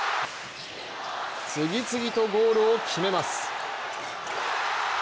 次々とゴールを決めます。